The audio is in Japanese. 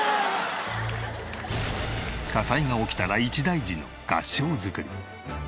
火災が起きたら一大事の合掌造り。